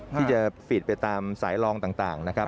ที่จะปิดไปตามสายรองต่างนะครับ